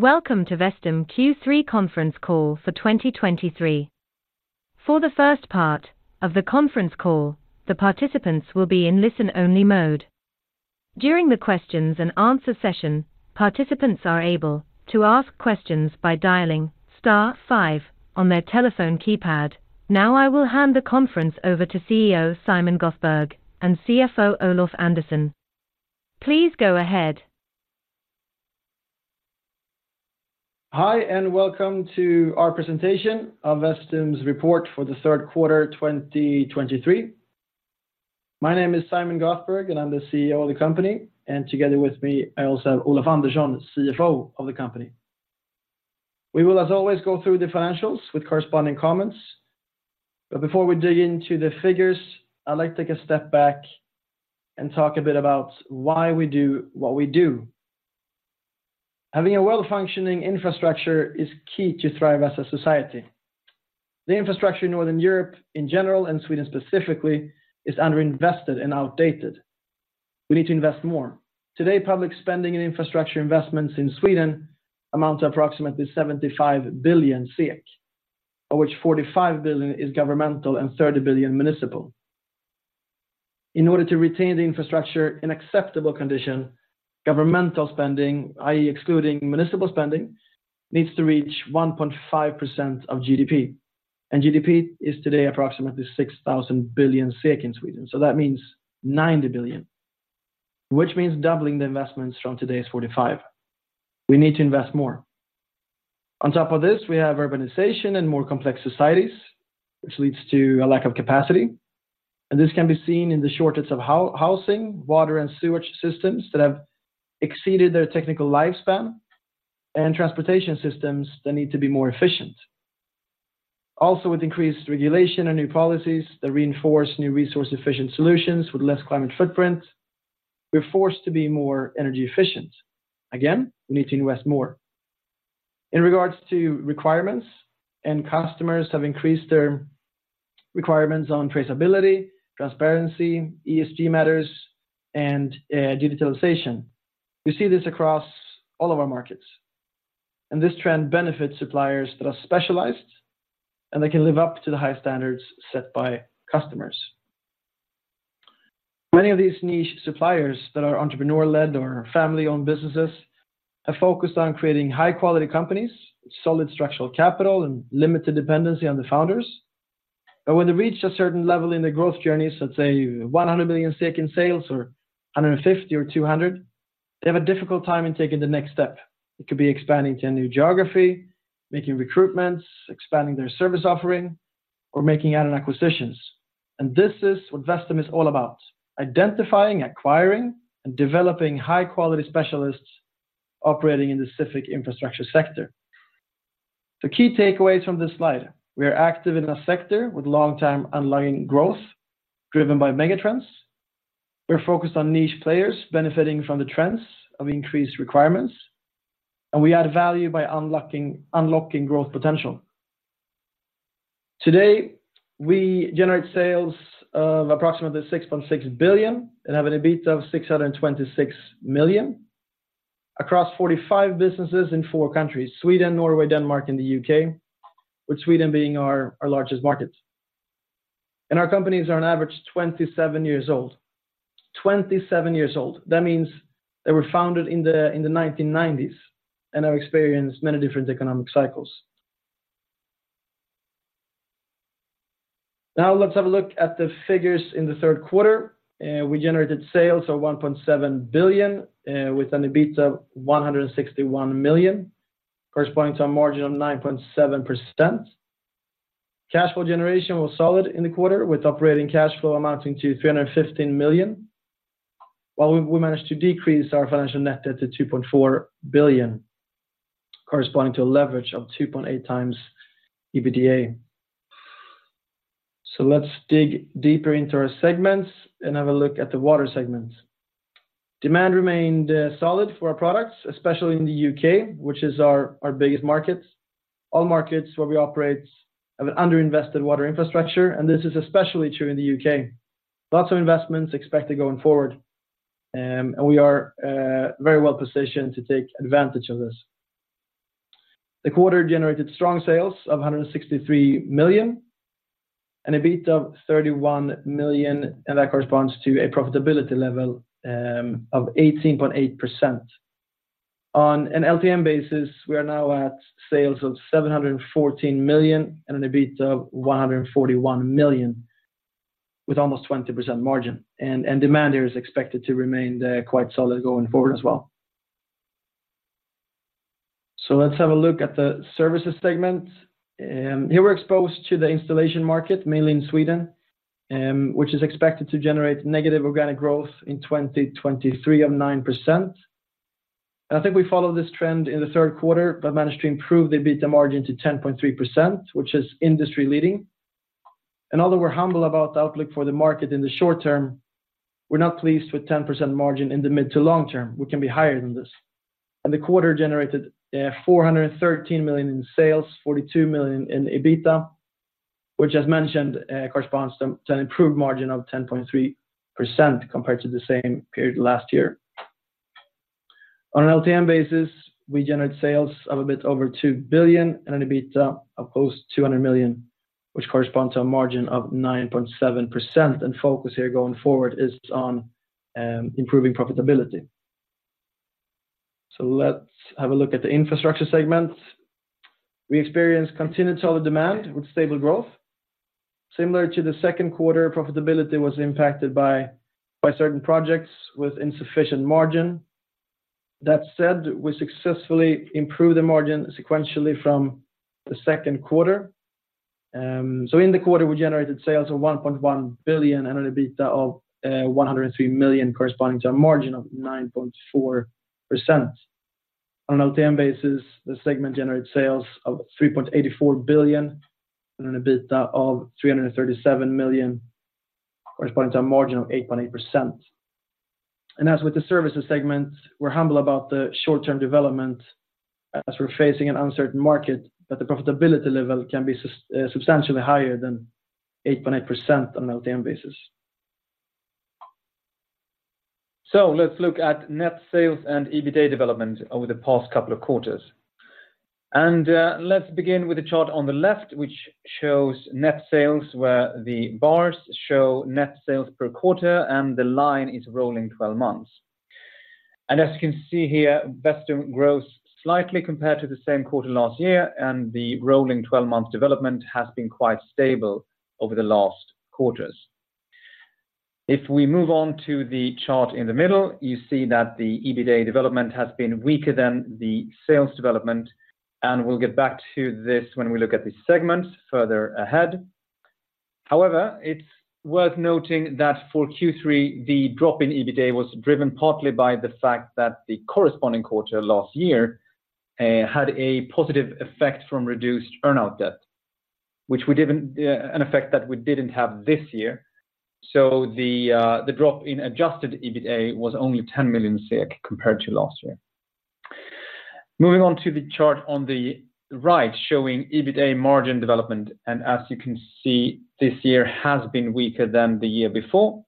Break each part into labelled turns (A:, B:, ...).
A: Welcome to Vestum Q3 Conference Call for 2023. For the first part of the conference call, the participants will be in listen-only mode. During the questions and answer session, participants are able to ask questions by dialing star five on their telephone keypad. Now, I will hand the conference over to CEO Simon Göthberg and CFO Olof Andersson. Please go ahead.
B: Hi, and welcome to our presentation of Vestum's report for the third quarter 2023. My name is Simon Göthberg, and I'm the CEO of the company, and together with me, I also have Olof Andersson, CFO of the company. We will, as always, go through the financials with corresponding comments. But before we dig into the figures, I'd like to take a step back and talk a bit about why we do what we do. Having a well-functioning infrastructure is key to thrive as a society. The infrastructure in Northern Europe in general, and Sweden specifically, is underinvested and outdated. We need to invest more. Today, public spending and infrastructure investments in Sweden amount to approximately 75 billion, of which 45 billion is governmental and 30 billion municipal. In order to retain the infrastructure in acceptable condition, governmental spending, i.e., excluding municipal spending, needs to reach 1.5% of GDP, and GDP is today approximately 6,000 billion SEK in Sweden. So that means 90 billion, which means doubling the investments from today's 45. We need to invest more. On top of this, we have urbanization and more complex societies, which leads to a lack of capacity, and this can be seen in the shortage of housing, water and sewage systems that have exceeded their technical lifespan, and transportation systems that need to be more efficient. Also, with increased regulation and new policies that reinforce new resource-efficient solutions with less climate footprint, we're forced to be more energy efficient. Again, we need to invest more. In regards to requirements, end customers have increased their requirements on traceability, transparency, ESG matters, and digitalization. We see this across all of our markets, and this trend benefits suppliers that are specialized, and they can live up to the high standards set by customers. Many of these niche suppliers that are entrepreneur-led or family-owned businesses are focused on creating high-quality companies, solid structural capital, and limited dependency on the founders. But when they reach a certain level in their growth journeys, let's say 100 million in sales, or 150 million, or 200 million, they have a difficult time in taking the next step. It could be expanding to a new geography, making recruitments, expanding their service offering, or making add-on acquisitions. And this is what Vestum is all about: identifying, acquiring, and developing high-quality specialists operating in the civic infrastructure sector. The key takeaways from this slide: we are active in a sector with long-term underlying growth driven by mega trends. We're focused on niche players benefiting from the trends of increased requirements, and we add value by unlocking, unlocking growth potential. Today, we generate sales of approximately 6.6 billion and have an EBITA of 626 million across 45 businesses in four countries, Sweden, Norway, Denmark, and the U.K., with Sweden being our, our largest market. And our companies are on average 27 years old. 27 years old. That means they were founded in the 1990s and have experienced many different economic cycles. Now, let's have a look at the figures in the third quarter. We generated sales of 1.7 billion, with an EBITA of 161 million, corresponding to a margin of 9.7%. Cash flow generation was solid in the quarter, with operating cash flow amounting to 315 million, while we managed to decrease our financial net debt to 2.4 billion, corresponding to a leverage of 2.8x EBITDA. So let's dig deeper into our segments and have a look at the water segment. Demand remained solid for our products, especially in the U.K., which is our biggest market. All markets where we operate have an underinvested water infrastructure, and this is especially true in the U.K. Lots of investments expected going forward, and we are very well-positioned to take advantage of this. The quarter generated strong sales of 163 million and EBITA of 31 million, and that corresponds to a profitability level of 18.8%. On an LTM basis, we are now at sales of 714 million and an EBITA of 141 million, with almost 20% margin. And demand there is expected to remain quite solid going forward as well. So let's have a look at the services segment. Here we're exposed to the installation market, mainly in Sweden, which is expected to generate negative organic growth in 2023 of 9%. I think we followed this trend in the third quarter, but managed to improve the EBITA margin to 10.3%, which is industry-leading. And although we're humble about the outlook for the market in the short term, we're not pleased with 10% margin in the mid to long term. We can be higher than this. The quarter generated 413 million in sales, 42 million in EBITA which as mentioned, corresponds to an improved margin of 10.3% compared to the same period last year. On an LTM basis, we generate sales of a bit over 2 billion and an EBITA of close to 200 million, which corresponds to a margin of 9.7%, and focus here going forward is on improving profitability. So let's have a look at the infrastructure segment. We experienced continued solid demand with stable growth. Similar to the second quarter, profitability was impacted by certain projects with insufficient margin. That said, we successfully improved the margin sequentially from the second quarter. So in the quarter, we generated sales of 1.1 billion and an EBITA of 103 million, corresponding to a margin of 9.4%. On an LTM basis, the segment generated sales of 3.84 billion and an EBITA of 337 million, corresponding to a margin of 8.8%. And as with the services segment, we're humble about the short-term development as we're facing an uncertain market, that the profitability level can be substantially higher than 8.8% on an LTM basis.
C: So let's look at net sales and EBITA development over the past couple of quarters. And, let's begin with the chart on the left, which shows net sales, where the bars show net sales per quarter, and the line is rolling twelve months. And as you can see here, Vestum grows slightly compared to the same quarter last year, and the rolling 12-month development has been quite stable over the last quarters. If we move on to the chart in the middle, you see that the EBITA development has been weaker than the sales development, and we'll get back to this when we look at the segment further ahead. However, it's worth noting that for Q3, the drop in EBITA was driven partly by the fact that the corresponding quarter last year had a positive effect from reduced earn-out debt, which we didn't, an effect that we didn't have this year. So the drop in adjusted EBITA was only 10 million compared to last year. Moving on to the chart on the right, showing EBITA margin development, and as you can see, this year has been weaker than the year before.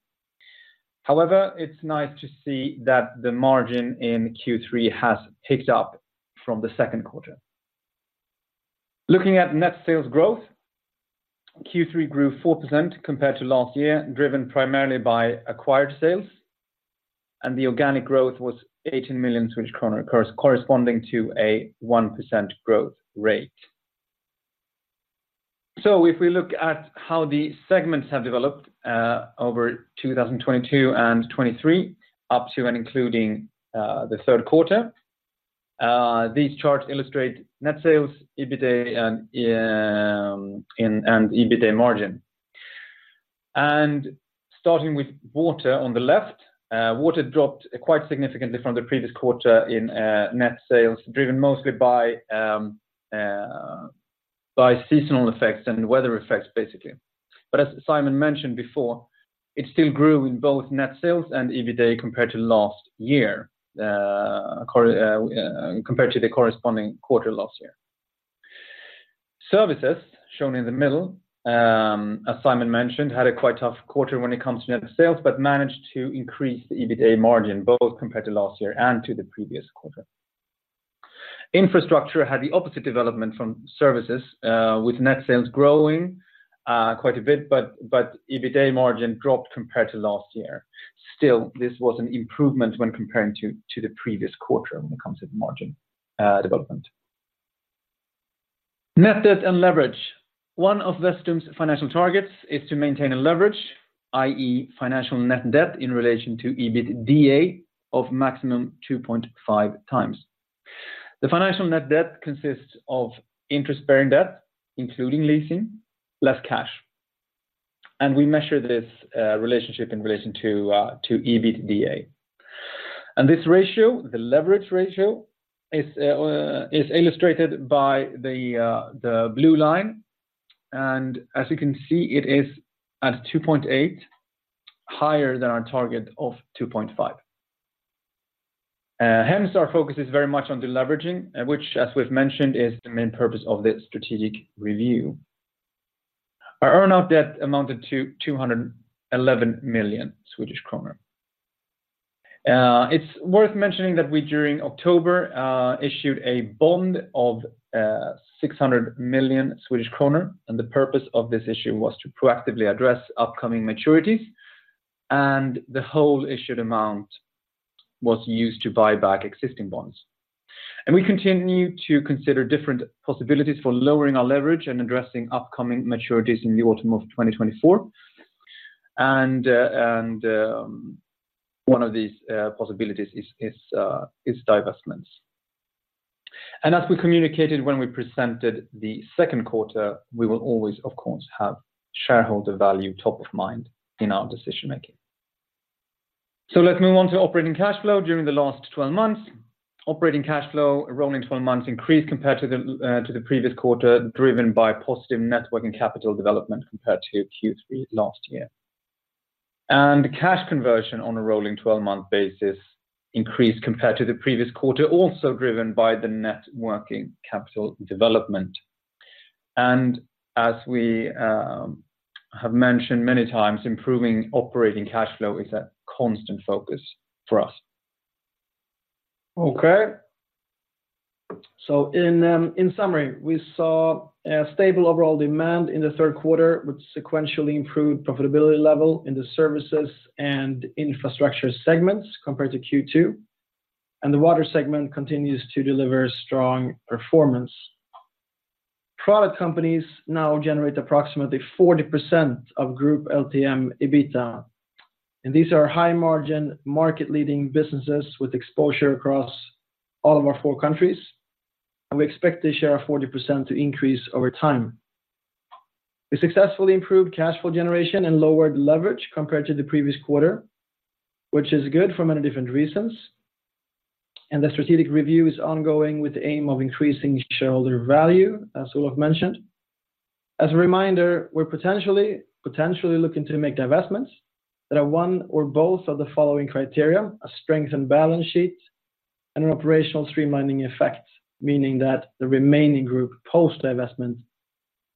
C: However, it's nice to see that the margin in Q3 has picked up from the second quarter. Looking at net sales growth, Q3 grew 4% compared to last year, driven primarily by acquired sales, and the organic growth was 18 million Swedish kronor, corresponding to a 1% growth rate. So if we look at how the segments have developed over 2022 and 2023, up to and including the third quarter, these charts illustrate net sales, EBITA, and EBITA margin. And starting with water on the left, water dropped quite significantly from the previous quarter in net sales, driven mostly by seasonal effects and weather effects, basically. But as Simon mentioned before, it still grew in both net sales and EBITA compared to last year compared to the corresponding quarter last year. Services, shown in the middle, as Simon mentioned, had a quite tough quarter when it comes to net sales, but managed to increase the EBITA margin, both compared to last year and to the previous quarter. Infrastructure had the opposite development from services, with net sales growing quite a bit, but EBITA margin dropped compared to last year. Still, this was an improvement when comparing to the previous quarter when it comes to margin development. Net debt and leverage. One of Vestum's financial targets is to maintain a leverage, i.e., financial net debt, in relation to EBITDA of maximum 2.5x. The financial net debt consists of interest-bearing debt, including leasing, less cash, and we measure this relationship in relation to EBITDA. This ratio, the leverage ratio, is illustrated by the blue line. As you can see, it is at 2.8, higher than our target of 2.5. Hence, our focus is very much on de-leveraging, which, as we've mentioned, is the main purpose of this strategic review. Our earn-out debt amounted to SEK 211 million. It's worth mentioning that we, during October, issued a bond of 600 million Swedish kronor, and the purpose of this issue was to proactively address upcoming maturities, and the whole issued amount was used to buy back existing bonds. We continue to consider different possibilities for lowering our leverage and addressing upcoming maturities in the autumn of 2024. One of these possibilities is divestments. As we communicated when we presented the second quarter, we will always, of course, have shareholder value top of mind in our decision making. Let's move on to operating cash flow during the last 12 months. Operating cash flow, rolling 12 months, increased compared to the previous quarter, driven by positive net working capital development compared to Q3 last year. Cash conversion on a rolling 12-month basis increased compared to the previous quarter, also driven by the net working capital development. As we have mentioned many times, improving operating cash flow is a constant focus for us.
B: Okay. So in summary, we saw a stable overall demand in the third quarter, which sequentially improved profitability level in the services and infrastructure segments compared to Q2, and the water segment continues to deliver strong performance. Product companies now generate approximately 40% of group LTM EBITA, and these are high margin market leading businesses with exposure across all of our four countries, and we expect this share of 40% to increase over time. We successfully improved cash flow generation and lowered leverage compared to the previous quarter, which is good for many different reasons. The strategic review is ongoing with the aim of increasing shareholder value, as Olof mentioned. As a reminder, we're potentially, potentially looking to make divestments that are one or both of the following criteria: a strengthened balance sheet and an operational streamlining effect, meaning that the remaining group post-divestment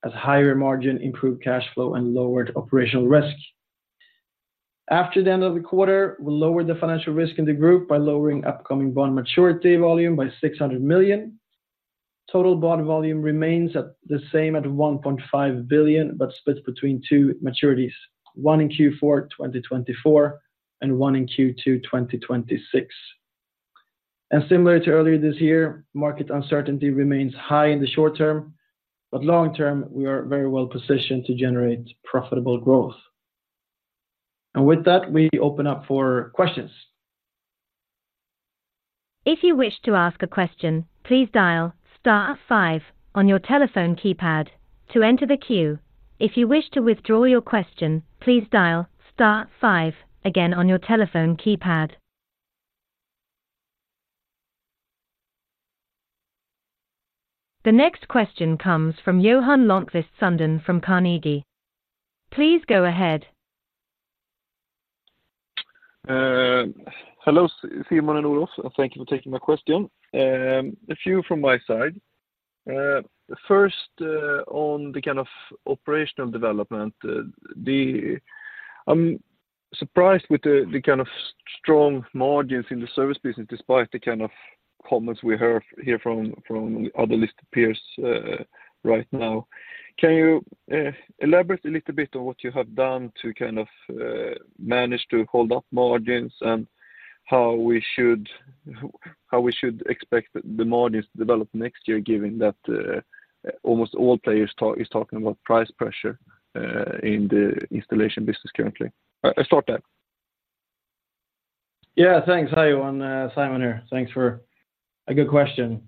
B: has higher margin, improved cash flow, and lowered operational risk. After the end of the quarter, we lowered the financial risk in the group by lowering upcoming bond maturity volume by 600 million. Total bond volume remains at the same at 1.5 billion, but split between two maturities, one in Q4 2024, and one in Q2 2026. And similar to earlier this year, market uncertainty remains high in the short term, but long term, we are very well positioned to generate profitable growth. And with that, we open up for questions.
A: If you wish to ask a question, please dial star five on your telephone keypad to enter the queue. If you wish to withdraw your question, please dial star five again on your telephone keypad. The next question comes from Johan Lönnqvist Sundén from Carnegie. Please go ahead.
D: Hello, Simon and Olof, and thank you for taking my question. A few from my side. First, on the kind of operational development, I'm surprised with the kind of strong margins in the service business, despite the kind of comments we heard here from other listed peers right now. Can you elaborate a little bit on what you have done to kind of manage to hold up margins and how we should expect the margins to develop next year, given that almost all players are talking about price pressure in the installation business currently? I'll start that.
B: Yeah, thanks, Johan. Simon here. Thanks for a good question.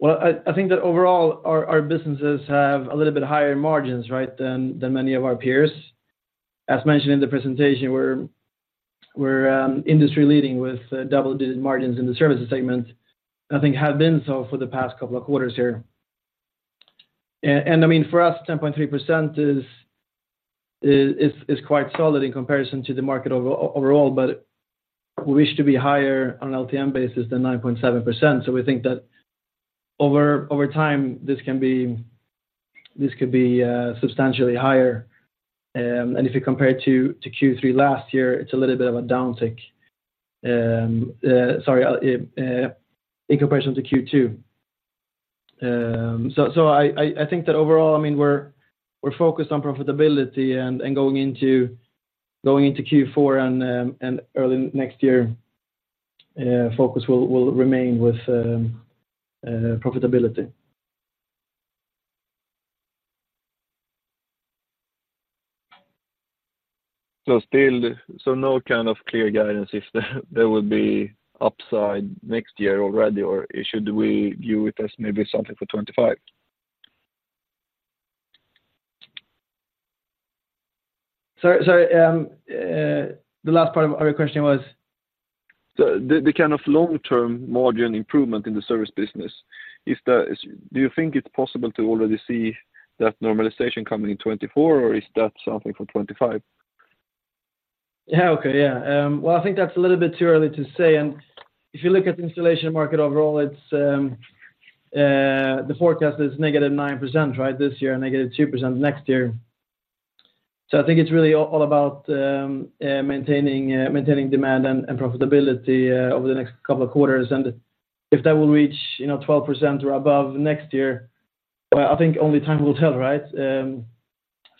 B: Well, I think that overall, our businesses have a little bit higher margins, right, than many of our peers. As mentioned in the presentation, we're industry leading with double-digit margins in the services segment, I think have been so for the past couple of quarters here. I mean, for us, 10.3% is quite solid in comparison to the market overall, but we wish to be higher on an LTM basis than 9.7%. So we think that over time, this can be... this could be substantially higher. And if you compare to Q3 last year, it's a little bit of a downtick. Sorry, in comparison to Q2. So, I think that overall, I mean, we're focused on profitability and going into Q4 and early next year, focus will remain with profitability.
D: So, still no kind of clear guidance if there will be upside next year already, or should we view it as maybe something for 2025?
B: Sorry, sorry, the last part of your question was?
D: The kind of long-term margin improvement in the service business, do you think it's possible to already see that normalization coming in 2024, or is that something for 2025?
B: Yeah, okay. Yeah. Well, I think that's a little bit too early to say, and if you look at the installation market overall, it's the forecast is -9%, right? This year, -2% next year. So I think it's really all about maintaining demand and profitability over the next couple of quarters. And if that will reach, you know, 12% or above next year, well, I think only time will tell, right?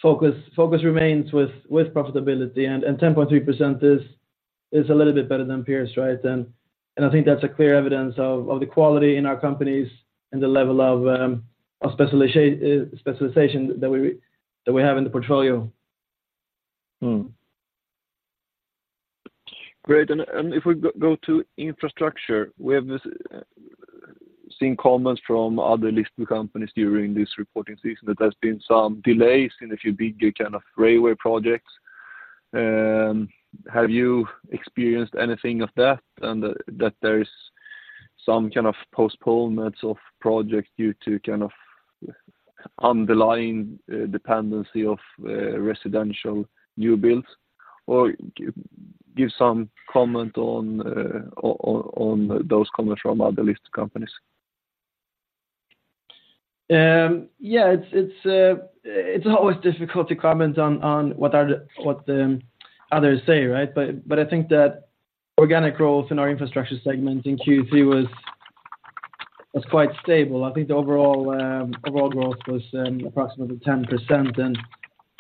B: Focus remains with profitability, and 10.3% is a little bit better than peers, right? And I think that's a clear evidence of the quality in our companies and the level of specialization that we have in the portfolio.
D: Great. And if we go to infrastructure, we have this seeing comments from other listed companies during this reporting season, that there's been some delays in a few bigger kind of railway projects. Have you experienced anything of that? And that there is some kind of postponements of projects due to kind of underlying dependency of residential new builds? Or give some comment on those comments from other listed companies.
B: Yeah, it's always difficult to comment on what the others say, right? But I think that organic growth in our infrastructure segment in Q3 was quite stable. I think the overall growth was approximately 10%,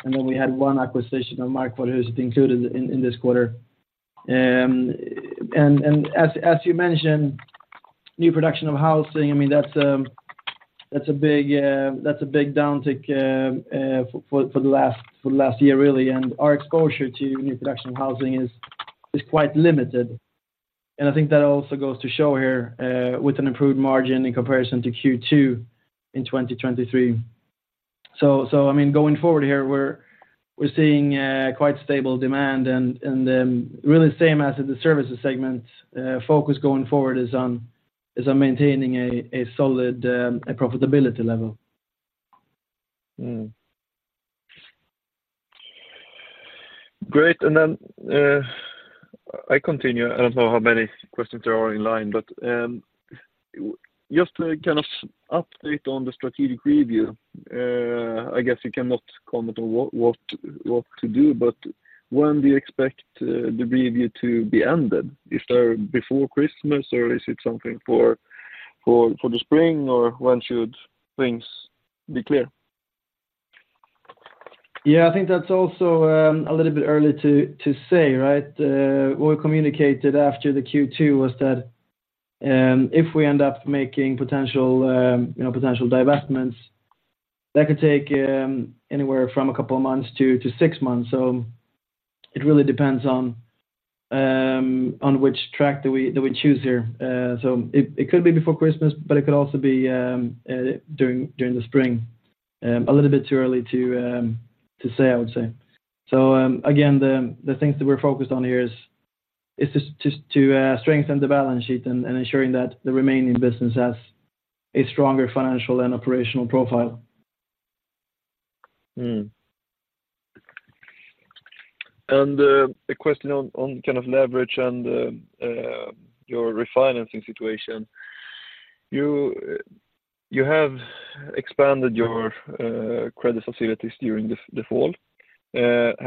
B: and then we had one acquisition of Markvaruhuset, who's included in this quarter. And as you mentioned, new production of housing, I mean, that's a big downtick for the last year, really, and our exposure to new production of housing is quite limited. And I think that also goes to show here with an improved margin in comparison to Q2 in 2023. So, I mean, going forward here, we're seeing quite stable demand, and really the same as in the services segment. Focus going forward is on maintaining a solid profitability level.
D: Mm. Great, and then, I continue. I don't know how many questions there are in line, but, just to kind of update on the strategic review, I guess you cannot comment on what to do, but when do you expect the review to be ended? Is there before Christmas, or is it something for the spring, or when should things be clear?
B: Yeah, I think that's also a little bit early to say, right? What we communicated after the Q2 was that if we end up making potential, you know, potential divestments, that could take anywhere from a couple of months to six months. So it really depends on which track that we choose here. So it could be before Christmas, but it could also be during the spring. A little bit too early to say, I would say. So again, the things that we're focused on here is just to strengthen the balance sheet and ensuring that the remaining business has a stronger financial and operational profile.
D: A question on kind of leverage and your refinancing situation. You have expanded your credit facilities during the fall. How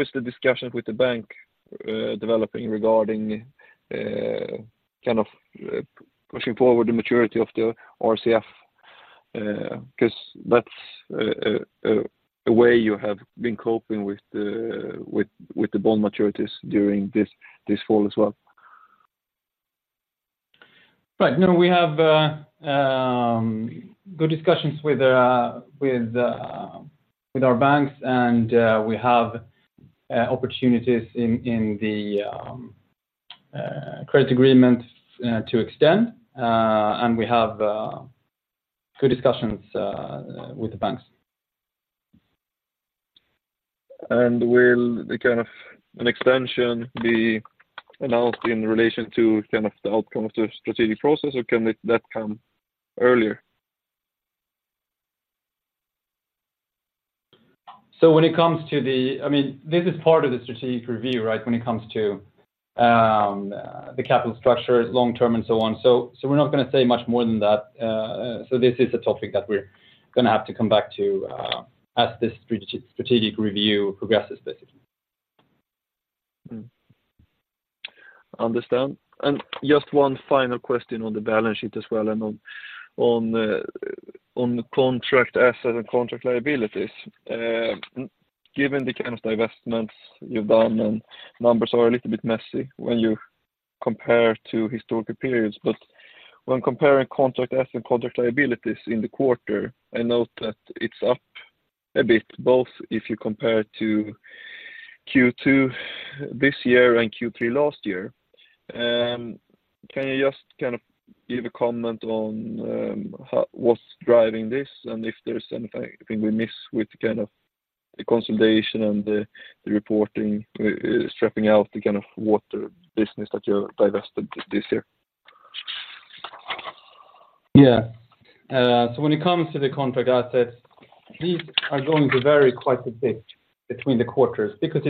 D: is the discussion with the bank developing regarding kind of pushing forward the maturity of the RCF? Because that's a way you have been coping with the bond maturities during this fall as well.
C: Right. No, we have good discussions with our banks, and we have opportunities in the credit agreement to extend, and we have good discussions with the banks.
D: Will the kind of an extension be announced in relation to kind of the outcome of the strategic process, or can that come earlier?
C: So when it comes to the, I mean, this is part of the strategic review, right? When it comes to the capital structure, long term, and so on. So, so we're not going to say much more than that. So this is a topic that we're going to have to come back to, as this strategic review progresses, basically.
D: Understand. And just one final question on the balance sheet as well, and on the contract asset and contract liabilities. Given the kind of divestments you've done, and numbers are a little bit messy when you compare to historical periods, but when comparing contract asset and contract liabilities in the quarter, I note that it's up a bit, both if you compare to Q2 this year and Q3 last year. Can you just kind of give a comment on how what's driving this, and if there's anything we miss with kind of the consolidation and the reporting, stripping out the kind of water business that you divested this year?
C: Yeah. So when it comes to the contract assets, these are going to vary quite a bit between the quarters because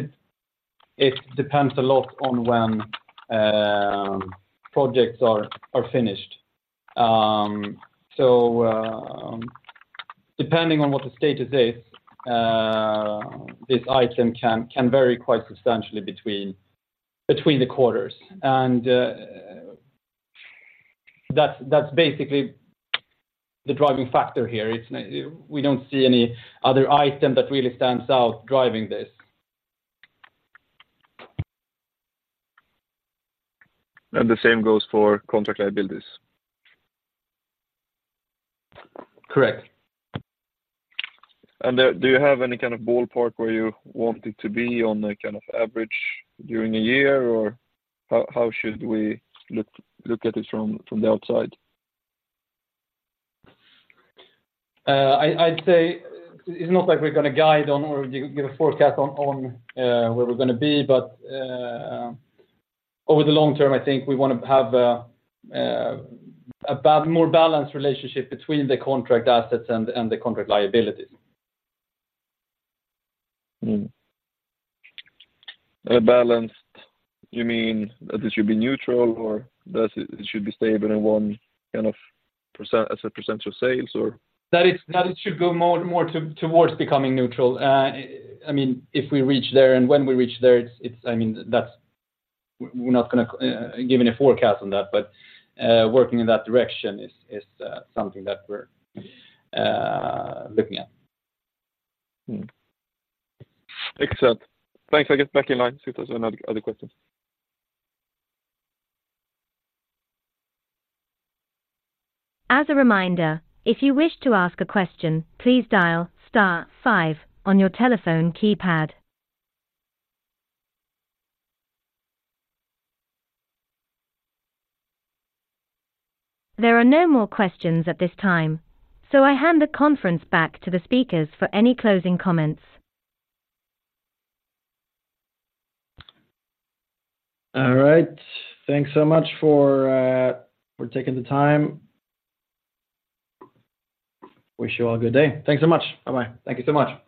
C: it depends a lot on when projects are finished. So, depending on what the status is, this item can vary quite substantially between the quarters, and that's basically the driving factor here. It's not... We don't see any other item that really stands out driving this.
D: The same goes for contract liabilities?
C: Correct.
D: Do you have any kind of ballpark where you want it to be on a kind of average during a year, or how should we look at it from the outside?
C: I'd say it's not like we're going to guide on or give a forecast on where we're going to be, but over the long term, I think we want to have a more balanced relationship between the contract assets and the contract liabilities.
D: Mm. By balanced, you mean that it should be neutral, or that it should be stable in one kind of percent, as a percentage of sales, or?
C: That it should go more toward becoming neutral. I mean, if we reach there and when we reach there, it's I mean, that's... We're not going to give any forecast on that, but working in that direction is something that we're looking at.
D: Excellent. Thanks. I get back in line, see if there's any other questions.
A: As a reminder, if you wish to ask a question, please dial star five on your telephone keypad. There are no more questions at this time, so I hand the conference back to the speakers for any closing comments.
B: All right. Thanks so much for, for taking the time. Wish you all a good day. Thanks so much. Bye-bye. Thank you so much.